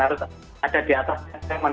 harus ada di atas payment